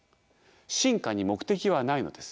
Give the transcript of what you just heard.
進化に目的はないのです。